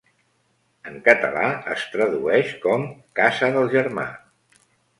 En català, es tradueix com "casa del germà".